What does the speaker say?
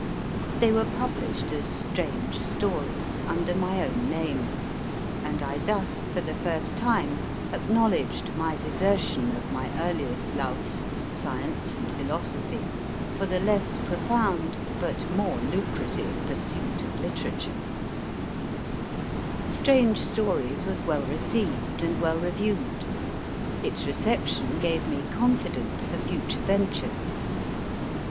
They were published as Strange Stories, under my own name, and I thus, for the first time, acknowledged my desertion of my earliest loves science and philosophy for the less profound but more lucrative pursuit of literature. A SHELF IN THE STUDY Strange Stories was well received and well reviewed. Its reception gave me confidence for future ventures.